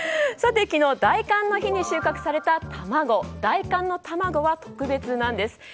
さて、昨日大寒の日に収穫された卵大寒の卵は特別なんです。